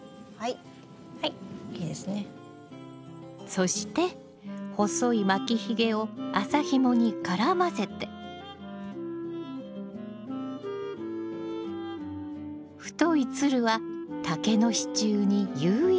そして細い巻きひげを麻ひもに絡ませて太いツルは竹の支柱に誘引。